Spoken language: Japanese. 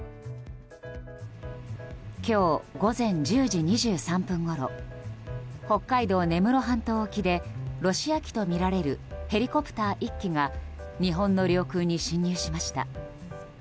今日午前１０時２３分ごろ北海道根室半島沖でロシア機とみられるヘリコプター１機が日本の領空に侵入しました。